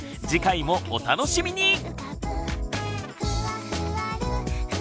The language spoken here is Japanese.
次回もお楽しみに！